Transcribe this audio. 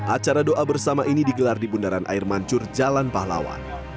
acara doa bersama ini digelar di bundaran air mancur jalan pahlawan